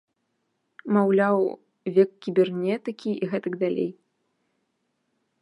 Маўляў, век кібернетыкі і гэтак далей.